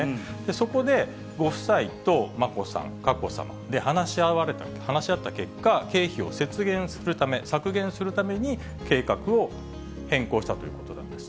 そこで、ご夫妻と眞子さん、佳子さまで話し合った結果、経費を節減するため、削減するために、計画を変更したということなんです。